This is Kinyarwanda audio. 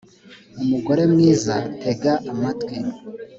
umugore mwiza tega amatwi